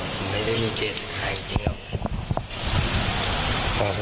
ผมไม่ได้มีเกณฑ์ขายจริงครับ